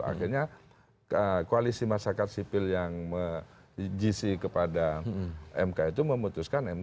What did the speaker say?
akhirnya koalisi masyarakat sipil yang gc kepada mk itu memutuskan